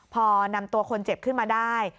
พอนำตัวคนเจ็บขึ้นมาได้